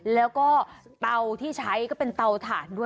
แล้วก็เตาที่ใช้ก็เป็นเตาถ่านด้วย